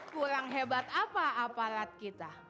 kurang hebat apa aparat kita